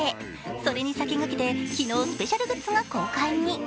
それに先駆けて昨日、スペシャルグッズが公開に。